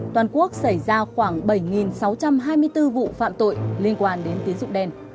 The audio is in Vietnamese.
toàn quốc xảy ra khoảng bảy sáu trăm hai mươi bốn vụ phạm tội liên quan đến tiến dụng đen